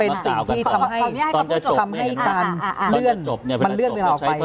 เป็นสิ่งที่ทำให้การเลื่อนในเดิมออกไป